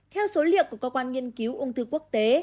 theo số liệu của cơ quan nghiên cứu ung thư quốc tế